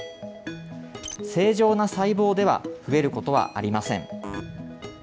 正常な細胞では増えることはありません。